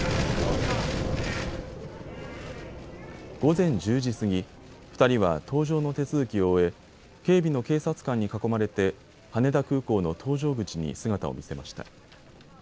午前１０時過ぎ、２人は搭乗の手続きを終え、警備の警察官に囲まれて羽田空港の搭乗口に姿を見せました。